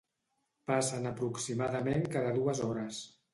Passen aproximadament cada dues hores.